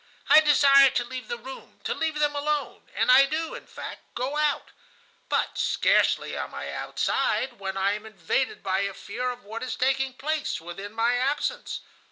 I desire to leave the room, to leave them alone, and I do, in fact, go out; but scarcely am I outside when I am invaded by a fear of what is taking place within my absence.